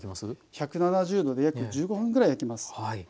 １７０℃で約１５分ぐらい焼きます。